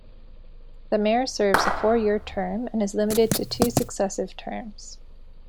The mayor serves a four-year term and is limited to two successive terms.